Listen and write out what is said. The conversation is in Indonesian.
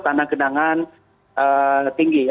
karena genangan tinggi